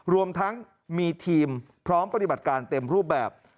รวมทั้งมีทีมพร้อมปฏิบัติการเต็มรูปแบบ